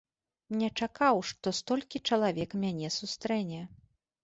Не чакаў, што столькі чалавек мяне сустрэне.